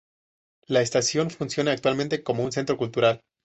La estación funciona actualmente como un centro cultural.